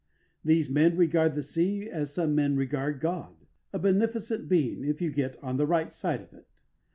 These men regard the sea as some men regard God a beneficent being, if you get on the right side of it.